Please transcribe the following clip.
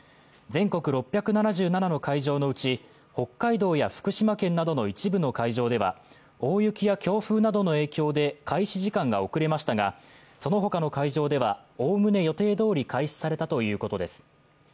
全国６７７の会場のうち北海道や福島県などの一部の会場では大雪や強風などの影響で開始時間が遅れましたがそのほかの会場では、おおむね予定どおり開始されたということです。